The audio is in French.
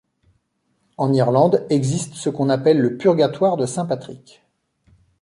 En Irlande existe ce qu'on appelle le Purgatoire de Saint Patrick.